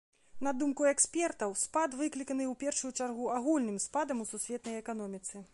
На думку экспертаў, спад выкліканы, у першую чаргу, агульным спадам у сусветнай эканоміцы.